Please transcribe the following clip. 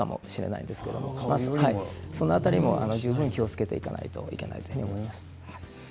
その辺りも十分気をつけていかなければいけないと思います。